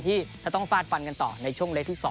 ที่จะต้องฟาดฟันกันต่อในช่วงเล็กที่๒